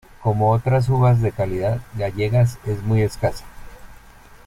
Como otras uvas de calidad gallegas, es muy escasa.